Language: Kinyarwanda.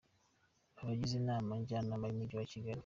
Abagize Inama Njyanama y’Umujyi wa Kigali.